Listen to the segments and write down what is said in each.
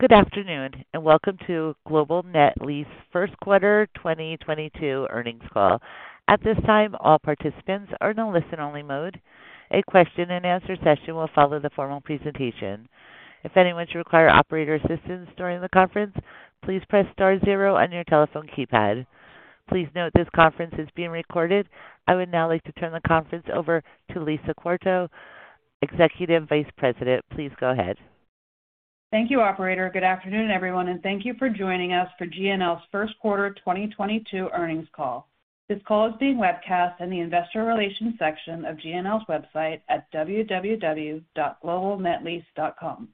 Good afternoon, and welcome to Global Net Lease first quarter 2022 earnings call. At this time, all participants are in a listen-only mode. A question-and-answer session will follow the formal presentation. If anyone should require operator assistance during the conference, please press star zero on your telephone keypad. Please note this conference is being recorded. I would now like to turn the conference over to Louisa Quarto, Executive Vice President. Please go ahead. Thank you, operator. Good afternoon, everyone, and thank you for joining us for GNL's first quarter 2022 earnings call. This call is being webcast in the investor relations section of GNL's website at www.globalnetlease.com.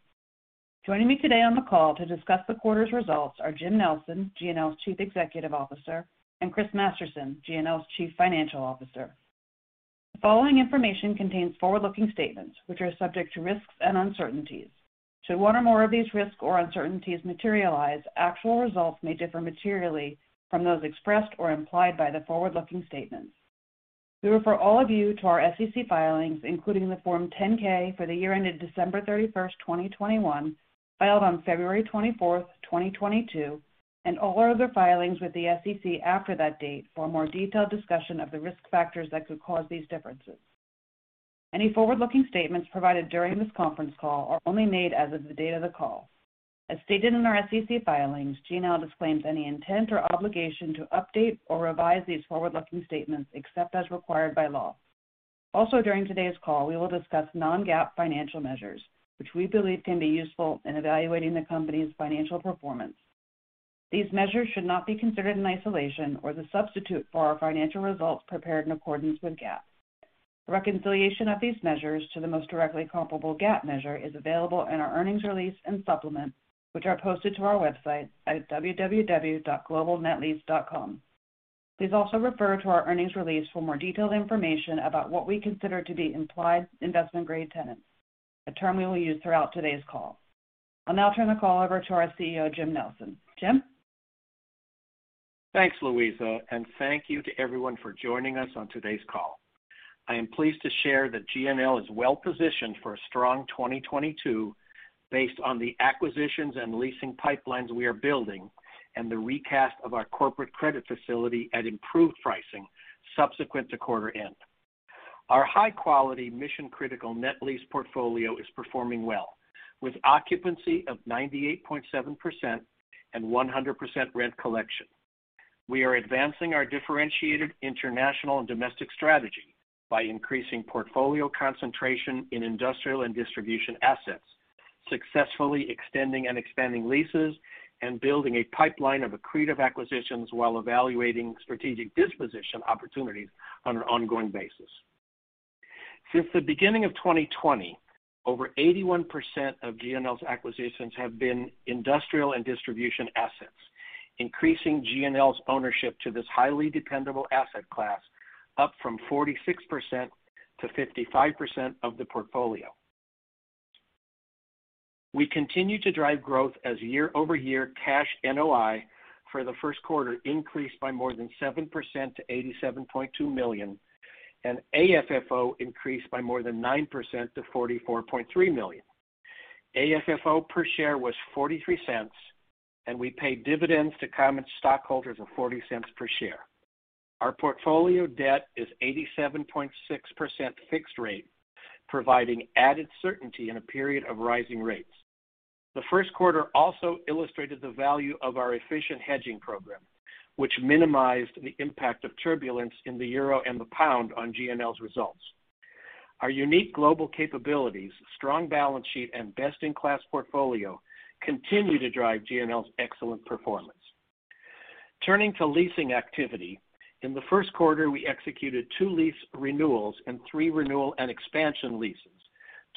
Joining me today on the call to discuss the quarter's results are Jim Nelson, GNL's Chief Executive Officer, and Chris Masterson, GNL's Chief Financial Officer. The following information contains forward-looking statements which are subject to risks and uncertainties. Should one or more of these risks or uncertainties materialize, actual results may differ materially from those expressed or implied by the forward-looking statements. We refer all of you to our SEC filings, including the Form 10-K for the year ended December 31st, 2021, filed on February 24th, 2022, and all other filings with the SEC after that date for a more detailed discussion of the risk factors that could cause these differences. Any forward-looking statements provided during this conference call are only made as of the date of the call. As stated in our SEC filings, GNL disclaims any intent or obligation to update or revise these forward-looking statements except as required by law. Also, during today's call, we will discuss non-GAAP financial measures, which we believe can be useful in evaluating the company's financial performance. These measures should not be considered in isolation or as a substitute for our financial results prepared in accordance with GAAP. Reconciliation of these measures to the most directly comparable GAAP measure is available in our earnings release and supplement, which are posted to our website at www.globalnetlease.com. Please also refer to our earnings release for more detailed information about what we consider to be implied investment grade tenants, a term we will use throughout today's call. I'll now turn the call over to our CEO, Jim Nelson. Jim? Thanks, Louisa, and thank you to everyone for joining us on today's call. I am pleased to share that GNL is well positioned for a strong 2022 based on the acquisitions and leasing pipelines we are building and the recast of our corporate credit facility at improved pricing subsequent to quarter end. Our high quality mission critical net lease portfolio is performing well, with occupancy of 98.7% and 100% rent collection. We are advancing our differentiated international and domestic strategy by increasing portfolio concentration in industrial and distribution assets, successfully extending and expanding leases, and building a pipeline of accretive acquisitions while evaluating strategic disposition opportunities on an ongoing basis. Since the beginning of 2020, over 81% of GNL's acquisitions have been industrial and distribution assets, increasing GNL's ownership to this highly dependable asset class up from 46% to 55% of the portfolio. We continue to drive growth as year-over-year cash NOI for the first quarter increased by more than 7% to $87.2 million, and AFFO increased by more than 9% to $44.3 million. AFFO per share was $0.43, and we paid dividends to common stockholders of $0.40 per share. Our portfolio debt is 87.6% fixed rate, providing added certainty in a period of rising rates. The first quarter also illustrated the value of our efficient hedging program, which minimized the impact of turbulence in the euro and the pound on GNL's results. Our unique global capabilities, strong balance sheet, and best-in-class portfolio continue to drive GNL's excellent performance. Turning to leasing activity, in the first quarter, we executed two lease renewals and three renewal and expansion leases,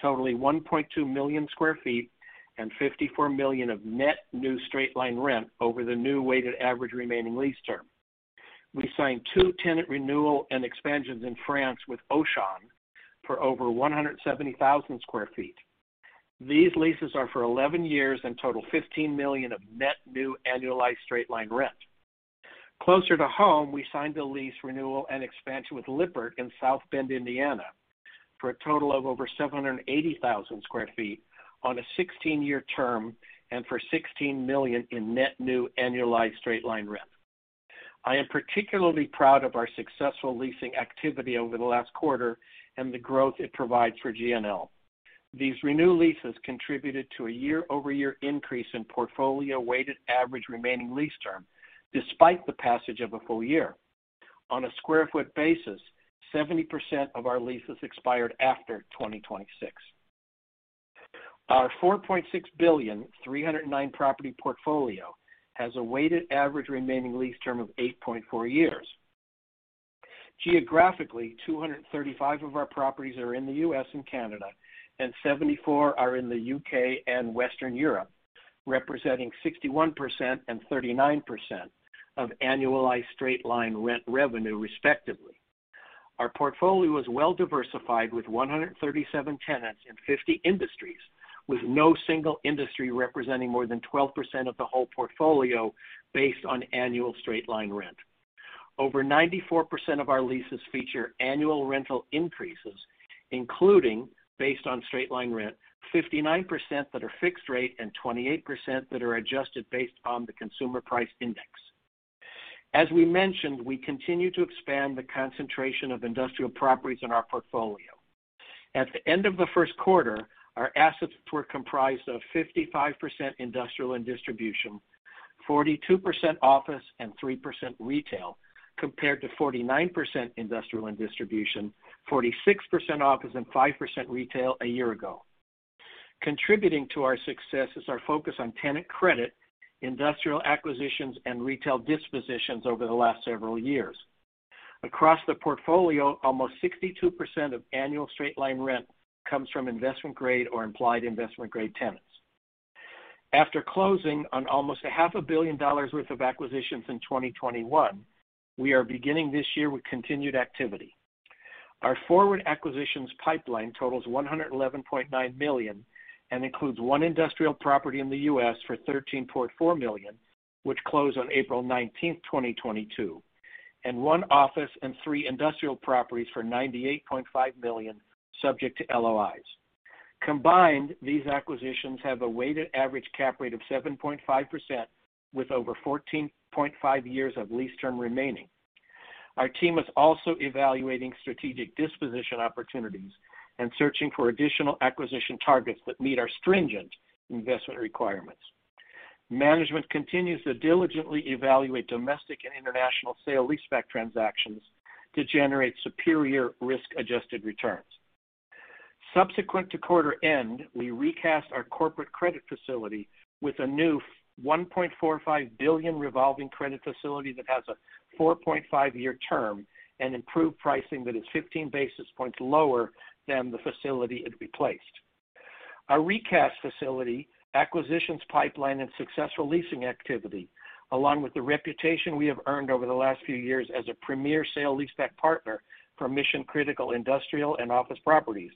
totaling 1.2 million square feet and $54 million of net new straight-line rent over the new weighted average remaining lease term. We signed two tenant renewal and expansions in France with Auchan for over 170,000 sq ft. These leases are for 11 years and total $15 million of net new annualized straight-line rent. Closer to home, we signed a lease renewal and expansion with Lippert in South Bend, Indiana, for a total of over 780,000 sq ft on a 16-year term and for $16 million in net new annualized straight-line rent. I am particularly proud of our successful leasing activity over the last quarter and the growth it provides for GNL. These renewed leases contributed to a year-over-year increase in portfolio weighted average remaining lease term despite the passage of a full year. On a square foot basis, 70% of our leases expired after 2026. Our $4.6 billion, 309-property portfolio has a weighted average remaining lease term of 8.4 years. Geographically, 235 of our properties are in the U.S. and Canada, and 74 are in the U.K. and Western Europe, representing 61% and 39% of annualized straight-line rent revenue, respectively. Our portfolio is well diversified with 137 tenants in 50 industries, with no single industry representing more than 12% of the whole portfolio based on annual straight-line rent. Over 94% of our leases feature annual rental increases, including based on straight-line rent, 59% that are fixed rate and 28% that are adjusted based on the Consumer Price Index. We mentioned, we continue to expand the concentration of industrial properties in our portfolio. At the end of the first quarter, our assets were comprised of 55% industrial and distribution, 42% office and 3% retail, compared to 49% industrial and distribution, 46% office and 5% retail a year ago. Contributing to our success is our focus on tenant credit, industrial acquisitions and retail dispositions over the last several years. Across the portfolio, almost 62% of annual straight-line rent comes from investment grade or implied investment grade tenants. After closing on almost a $500 million worth of acquisitions in 2021, we are beginning this year with continued activity. Our forward acquisitions pipeline totals $111.9 million and includes one industrial property in the U.S. for $13.4 million, which closed on April 19th, 2022, and one office and three industrial properties for $98.5 million, subject to LOIs. Combined, these acquisitions have a weighted average cap rate of 7.5%, with over 14.5 years of lease term remaining. Our team is also evaluating strategic disposition opportunities and searching for additional acquisition targets that meet our stringent investment requirements. Management continues to diligently evaluate domestic and international sale-leaseback transactions to generate superior risk adjusted returns. Subsequent to quarter end, we recast our corporate credit facility with a new $1.45 billion revolving credit facility that has a 4.5-year term and improved pricing that is 15 basis points lower than the facility it replaced. Our recast facility, acquisitions pipeline and successful leasing activity, along with the reputation we have earned over the last few years as a premier sale-leaseback partner for mission critical industrial and office properties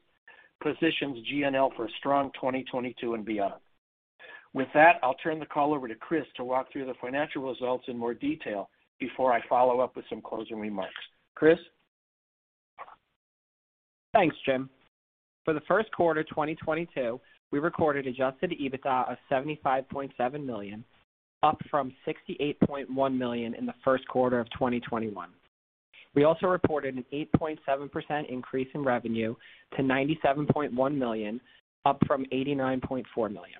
positions GNL for a strong 2022 and beyond. With that, I'll turn the call over to Chris to walk through the financial results in more detail before I follow up with some closing remarks. Chris? Thanks, Jim. For the first quarter 2022, we recorded adjusted EBITDA of $75.7 million, up from $68.1 million in the first quarter of 2021. We also reported an 8.7% increase in revenue to $97.1 million, up from $89.4 million,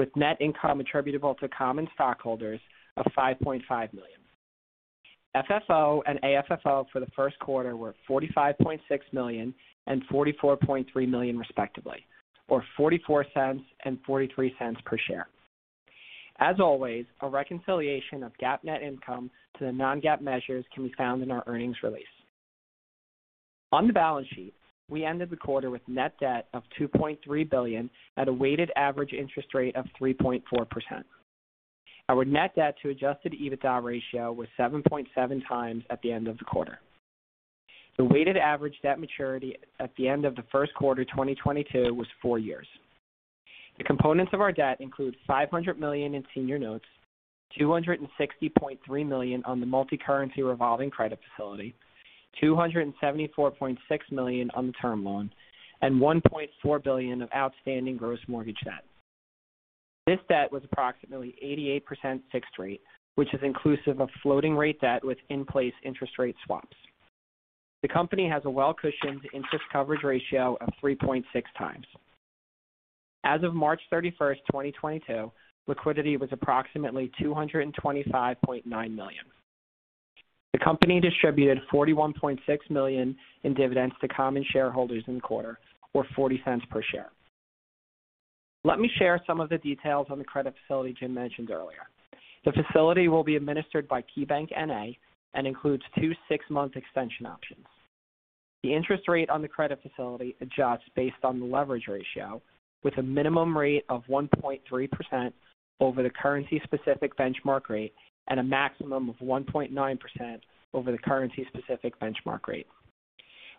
with net income attributable to common stockholders of $5.5 million. FFO and AFFO for the first quarter were $45.6 million and $44.3 million respectively, or $0.44 and $0.43 per share. As always, a reconciliation of GAAP net income to the non-GAAP measures can be found in our earnings release. On the balance sheet, we ended the quarter with net debt of $2.3 billion at a weighted average interest rate of 3.4%. Our net debt to adjusted EBITDA ratio was 7.7x at the end of the quarter. The weighted average debt maturity at the end of the first quarter 2022 was four years. The components of our debt include $500 million in Senior Notes, $260.3 million on the multicurrency revolving credit facility, $274.6 million on the term loan, and $1.4 billion of outstanding gross mortgage debt. This debt was approximately 88% fixed rate, which is inclusive of floating rate debt with in-place interest rate swaps. The company has a well-cushioned interest coverage ratio of 3.6x. As of March 31st, 2022, liquidity was approximately $225.9 million. The company distributed $41.6 million in dividends to common shareholders in the quarter, or $0.40 per share. Let me share some of the details on the credit facility Jim mentioned earlier. The facility will be administered by KeyBanc N.A. and includes two six-month extension options. The interest rate on the credit facility adjusts based on the leverage ratio with a minimum rate of 1.3% over the currency-specific benchmark rate and a maximum of 1.9% over the currency-specific benchmark rate.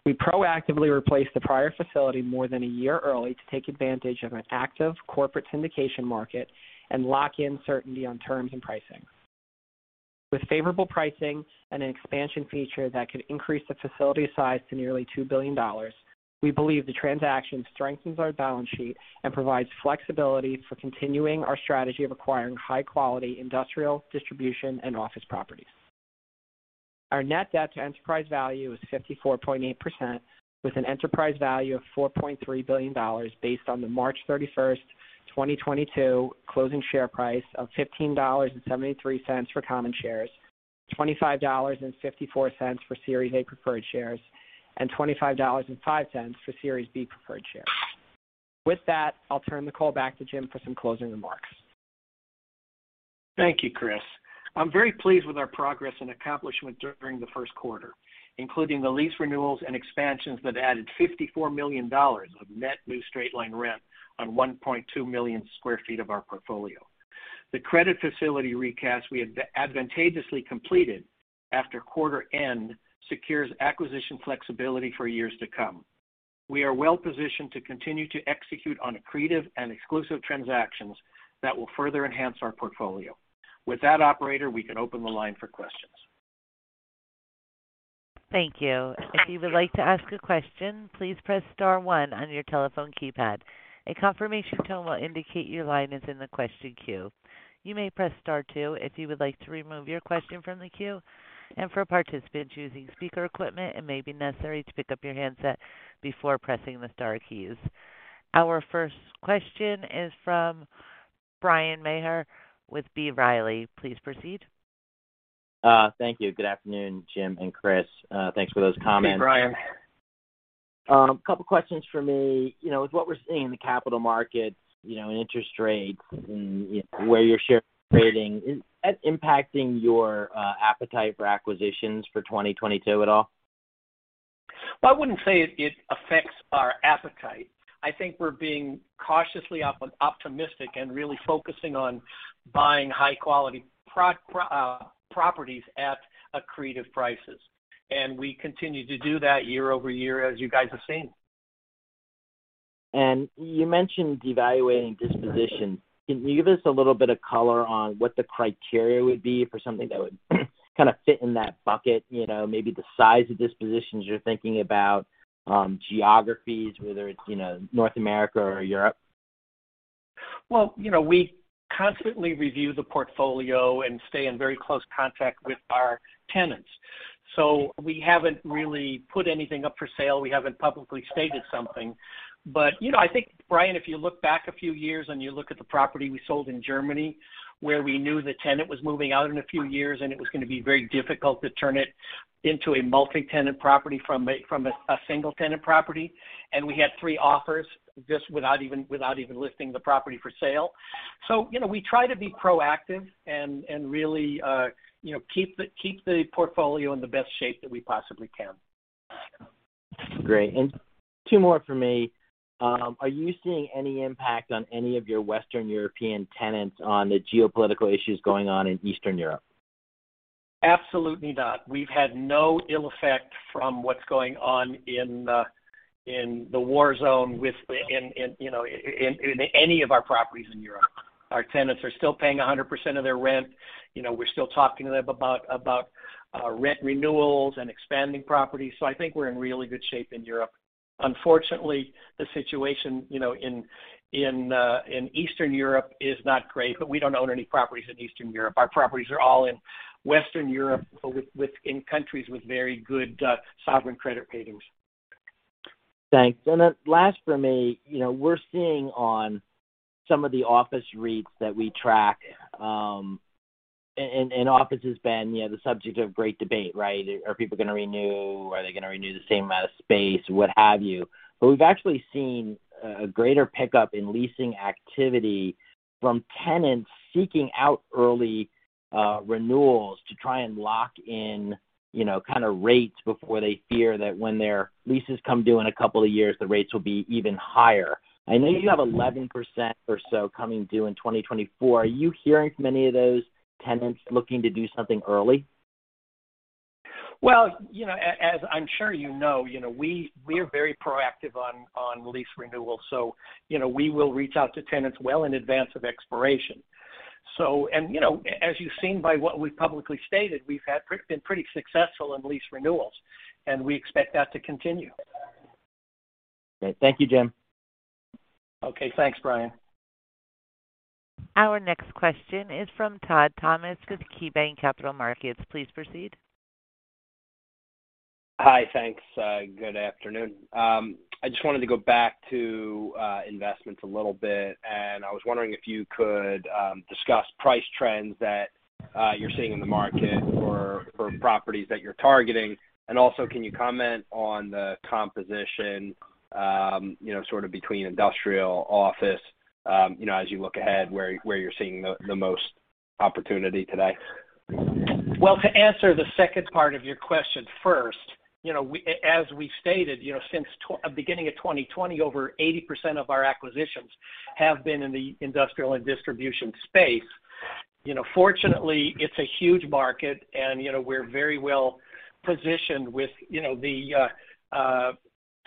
We proactively replaced the prior facility more than a year early to take advantage of an active corporate syndication market and lock in certainty on terms and pricing. With favorable pricing and an expansion feature that could increase the facility size to nearly $2 billion, we believe the transaction strengthens our balance sheet and provides flexibility for continuing our strategy of acquiring high-quality industrial, distribution and office properties. Our net debt to enterprise value is 54.8%, with an enterprise value of $4.3 billion based on the March 31st, 2022 closing share price of $15.73 for common shares, $25.54 for Series A preferred shares, and $25.05 for Series B preferred shares. With that, I'll turn the call back to Jim for some closing remarks. Thank you, Chris. I'm very pleased with our progress and accomplishment during the first quarter, including the lease renewals and expansions that added $54 million of net new straight-line rent on 1.2 million square feet of our portfolio. The credit facility recast we have advantageously completed after quarter end secures acquisition flexibility for years to come. We are well positioned to continue to execute on accretive and exclusive transactions that will further enhance our portfolio. With that, operator, we can open the line for questions. Thank you. If you would like to ask a question, please press star one on your telephone keypad. A confirmation tone will indicate your line is in the question queue. You may press star two if you would like to remove your question from the queue. For participants using speaker equipment, it may be necessary to pick up your handset before pressing the star keys. Our first question is from Bryan Maher with B. Riley. Please proceed. Thank you. Good afternoon, Jim and Chris. Thanks for those comments. Hey, Bryan. A couple questions for me. You know, with what we're seeing in the capital markets, you know, interest rates and, you know, where your shares are trading, is that impacting your appetite for acquisitions for 2022 at all? Well, I wouldn't say it affects our appetite. I think we're being cautiously optimistic and really focusing on buying high quality properties at accretive prices. We continue to do that year-over-year, as you guys have seen. You mentioned evaluating disposition. Can you give us a little bit of color on what the criteria would be for something that would kind of fit in that bucket? You know, maybe the size of dispositions you're thinking about, geographies, whether it's, you know, North America or Europe. Well, you know, we constantly review the portfolio and stay in very close contact with our tenants. We haven't really put anything up for sale. We haven't publicly stated something. You know, I think, Bryan, if you look back a few years and you look at the property we sold in Germany, where we knew the tenant was moving out in a few years, and it was gonna be very difficult to turn it into a multi-tenant property from a single tenant property. We had three offers just without even listing the property for sale. You know, we try to be proactive and really, you know, keep the portfolio in the best shape that we possibly can. Great. Two more for me. Are you seeing any impact on any of your Western European tenants on the geopolitical issues going on in Eastern Europe? Absolutely not. We've had no ill effect from what's going on in the war zone, you know, in any of our properties in Europe. Our tenants are still paying 100% of their rent. You know, we're still talking to them about rent renewals and expanding properties. I think we're in really good shape in Europe. Unfortunately, the situation in Eastern Europe is not great, but we don't own any properties in Eastern Europe. Our properties are all in Western Europe in countries with very good sovereign credit ratings. Thanks. Last for me, you know, we're seeing on some of the office REITs that we track, and office has been, you know, the subject of great debate, right? Are people gonna renew? Are they gonna renew the same amount of space? What have you. We've actually seen a greater pickup in leasing activity from tenants seeking out early renewals to try and lock in, you know, kind of rates before they fear that when their leases come due in a couple of years, the rates will be even higher. I know you have 11% or so coming due in 2024. Are you hearing from any of those tenants looking to do something early? Well, you know, as I'm sure you know, you know, we are very proactive on lease renewals, so, you know, we will reach out to tenants well in advance of expiration. You know, as you've seen by what we've publicly stated, we've been pretty successful in lease renewals, and we expect that to continue. Great. Thank you, Jim. Okay, thanks, Bryan. Our next question is from Todd Thomas with KeyBanc Capital Markets. Please proceed. Hi. Thanks. Good afternoon. I just wanted to go back to investments a little bit, and I was wondering if you could discuss price trends that you're seeing in the market for properties that you're targeting. Also, can you comment on the composition, you know, sort of between industrial office, you know, as you look ahead, where you're seeing the most opportunity today? Well, to answer the second part of your question first, you know, as we stated, you know, since the beginning of 2020, over 80% of our acquisitions have been in the industrial and distribution space. You know, fortunately, it's a huge market and, you know, we're very well positioned with, you know, the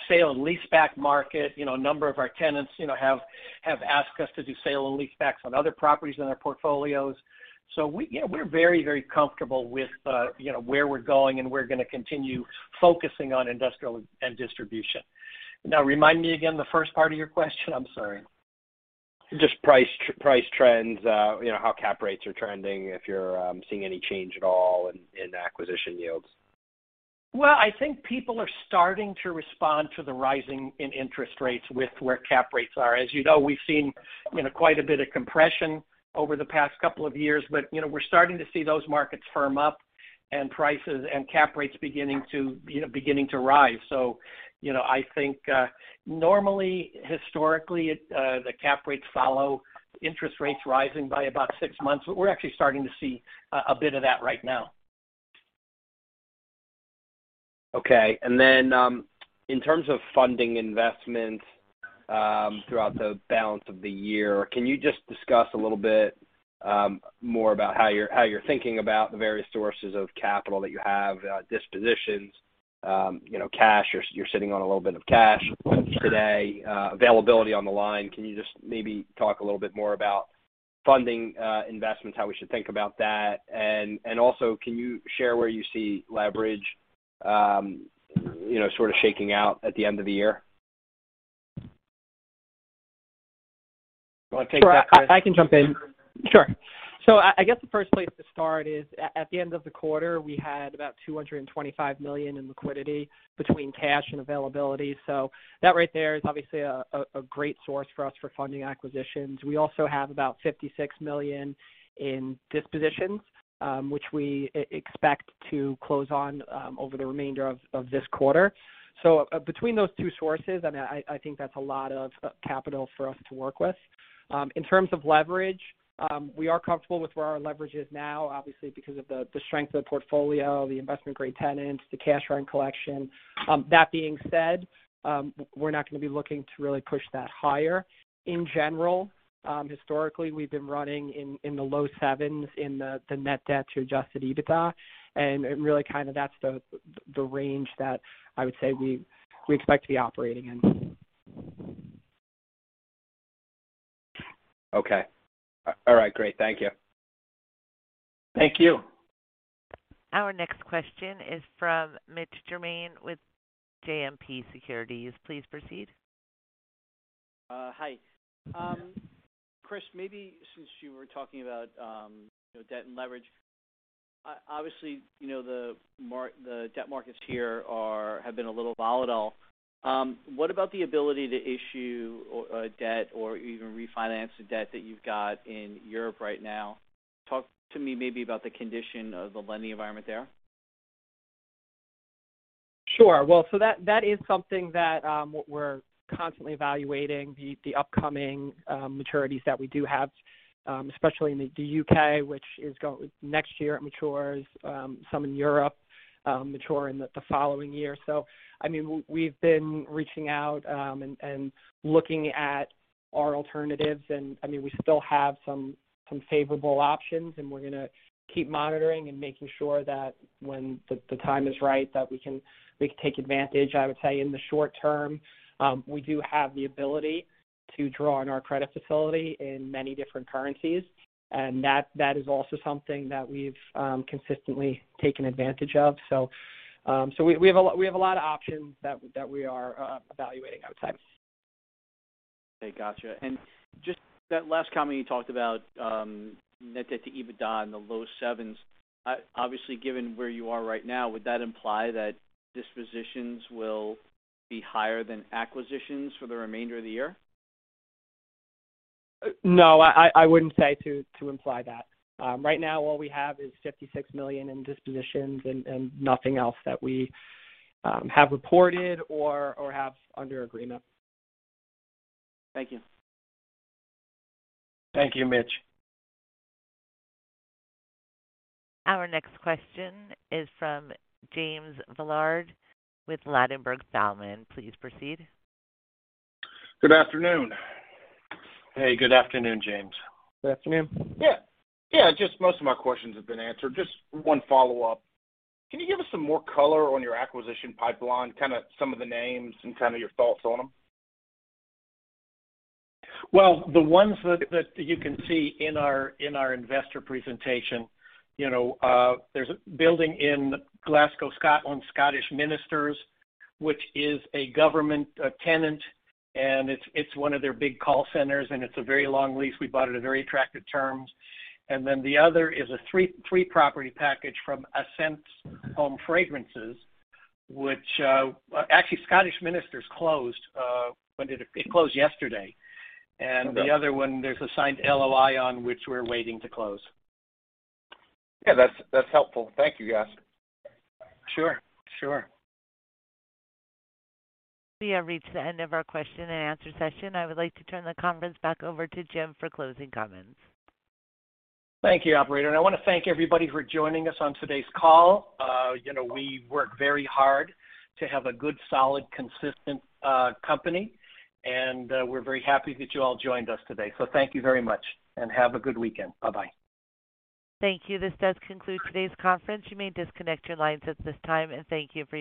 sale-leaseback market. You know, a number of our tenants, you know, have asked us to do sale-leasebacks on other properties in our portfolios. So we, you know, we're very, very comfortable with, you know, where we're going, and we're gonna continue focusing on industrial and distribution. Now, remind me again the first part of your question? I'm sorry. Just price trends, you know, how cap rates are trending, if you're seeing any change at all in acquisition yields? Well, I think people are starting to respond to the rising in interest rates with where cap rates are. As you know, we've seen, you know, quite a bit of compression over the past couple of years, but, you know, we're starting to see those markets firm up and prices and cap rates beginning to, you know, rise. I think, normally, historically, the cap rates follow interest rates rising by about six months. We're actually starting to see a bit of that right now. Okay. In terms of funding investments throughout the balance of the year, can you just discuss a little bit more about how you're thinking about the various sources of capital that you have, dispositions, you know, cash? You're sitting on a little bit of cash today. Availability on the line. Can you just maybe talk a little bit more about funding investments, how we should think about that? And also, can you share where you see leverage, you know, sort of shaking out at the end of the year? You wanna take that, Chris? Sure. I can jump in. Sure. I guess the first place to start is at the end of the quarter, we had about $225 million in liquidity between cash and availability. That right there is obviously a great source for us for funding acquisitions. We also have about $56 million in dispositions, which we expect to close on, over the remainder of this quarter. Between those two sources, I mean, I think that's a lot of capital for us to work with. In terms of leverage, we are comfortable with where our leverage is now, obviously, because of the strength of the portfolio, the investment-grade tenants, the cash rent collection. That being said, we're not gonna be looking to really push that higher. In general, historically, we've been running in the low 7s in the net debt to adjusted EBITDA. Really kind of that's the range that I would say we expect to be operating in. Okay. All right. Great. Thank you. Thank you. Our next question is from Mitch Germain with JMP Securities. Please proceed. Hi. Chris, maybe since you were talking about, you know, debt and leverage, obviously, you know, the debt markets here have been a little volatile. What about the ability to issue debt or even refinance the debt that you've got in Europe right now? Talk to me maybe about the condition of the lending environment there. Sure. Well, that is something that we're constantly evaluating, the upcoming maturities that we do have, especially in the U.K., which next year it matures, some in Europe mature in the following year. I mean, we've been reaching out and looking at our alternatives and, I mean, we still have some favorable options, and we're gonna keep monitoring and making sure that when the time is right, that we can take advantage, I would say, in the short term. We do have the ability to draw on our credit facility in many different currencies, and that is also something that we've consistently taken advantage of. We have a lot of options that we are evaluating, I would say. Okay, gotcha. Just that last comment you talked about, net debt to EBITDA in the low 7s. Obviously, given where you are right now, would that imply that dispositions will be higher than acquisitions for the remainder of the year? No, I wouldn't say to imply that. Right now, all we have is $56 million in dispositions and nothing else that we have reported or have under agreement. Thank you. Thank you, Mitch. Our next question is from James Villard with Ladenburg Thalmann. Please proceed. Good afternoon. Hey, good afternoon, James. Good afternoon. Yeah. Yeah, just most of my questions have been answered. Just one follow-up. Can you give us some more color on your acquisition pipeline, kinda some of the names and kinda your thoughts on them? Well, the ones that you can see in our investor presentation, you know, there's a building in Glasgow, Scotland, Scottish Ministers, which is a government tenant, and it's one of their big call centers, and it's a very long lease. We bought it at very attractive terms. The other is a three-property package from Ascents Home Fragrances. Actually, Scottish Ministers closed yesterday. The other one, there's a signed LOI on which we're waiting to close. Yeah, that's helpful. Thank you, guys. Sure, sure. We have reached the end of our question-and-answer session. I would like to turn the conference back over to Jim for closing comments. Thank you, operator, and I wanna thank everybody for joining us on today's call. You know, we work very hard to have a good, solid, consistent company, and we're very happy that you all joined us today. Thank you very much and have a good weekend. Bye-bye. Thank you. This does conclude today's conference. You may disconnect your lines at this time and thank you for your participation.